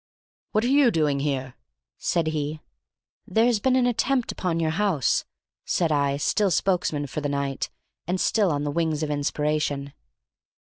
"What are you doing here?" said he. "There has been an attempt upon your house," said I, still spokesman for the night, and still on the wings of inspiration.